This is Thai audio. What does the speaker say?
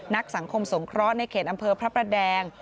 นักสังคมสงเคราะห์ในเขตอำเภอพระประแดง